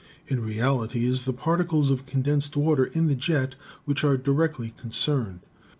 In reality it is the particles of condensed water in the jet which are directly concerned.